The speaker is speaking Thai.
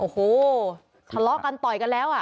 โอ้โหทะเลาะกันต่อยกันแล้วอ่ะ